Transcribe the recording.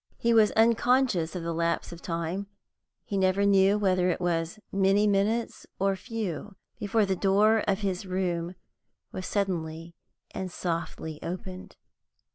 He was unconscious of the lapse of time; he never knew whether it was many minutes or few before the door of his room was suddenly and softly opened.